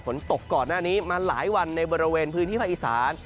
ฝนตกก่อนหน้านี้มาหลายวันในบริเวณพื้นที่ภาคอีสาน